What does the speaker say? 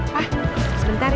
pak sebentar ya